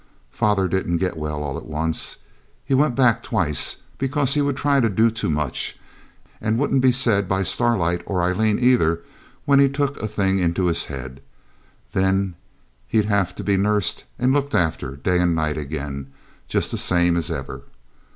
Father didn't get well all at once. He went back twice because he would try to do too much, and wouldn't be said by Starlight or Aileen either when he took a thing into his head; then he'd have to be nursed and looked after day and night again just the same as ever.